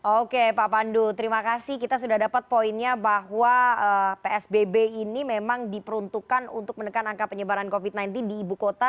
oke pak pandu terima kasih kita sudah dapat poinnya bahwa psbb ini memang diperuntukkan untuk menekan angka penyebaran covid sembilan belas di ibu kota